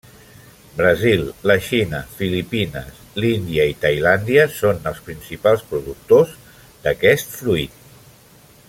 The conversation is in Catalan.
Brasil, la Xina, Filipines, l'Índia i Tailàndia són els principals productors d'aquest fruit.